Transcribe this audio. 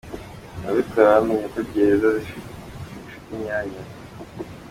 Ababikora bamenye ko gereza zigifite imyanya.